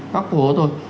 các phố thôi